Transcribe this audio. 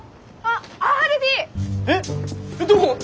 どこ！？